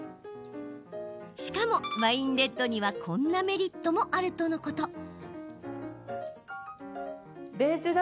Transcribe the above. しかも、ワインレッドにはこんなメリットもあるとのこと。